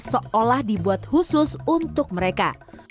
seolah dibuat khusus untuk mereka